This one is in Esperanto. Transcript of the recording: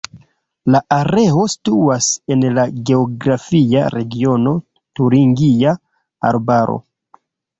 La areo situas en la geografia regiono Turingia Arbaro.